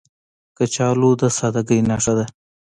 کچالو د سادګۍ نښه ده